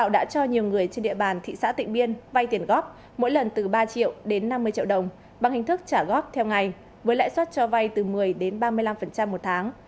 đã cho nhiều người trên địa bàn thị xã tịnh biên vay tiền góp mỗi lần từ ba triệu đến năm mươi triệu đồng bằng hình thức trả góp theo ngày với lãi suất cho vay từ một mươi đến ba mươi năm một tháng